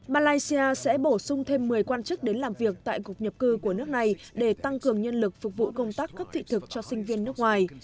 malaysia sẽ bổ sung thêm một mươi quan chức đến làm việc tại cục nhập cư của nước này để tăng cường nhân lực phục vụ công tác cấp thị thực cho sinh viên nước ngoài